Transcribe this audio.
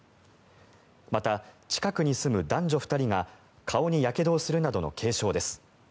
また、近くに住む男女２人が顔にやけどをするなどの軽傷です。